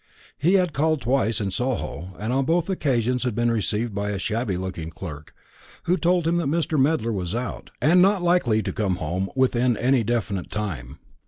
He had called twice in Soho, and on both occasions had been received by a shabby looking clerk, who told him that Mr. Medler was out, and not likely to come home within any definite time.